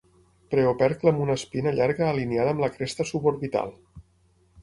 Preopercle amb una espina llarga alineada amb la cresta suborbital.